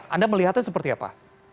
anda melihatnya seperti apa